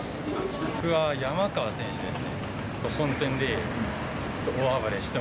僕は山川選手です。